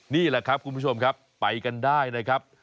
นี่แหละครับคุณผู้ชมครับไปกันได้นะครับ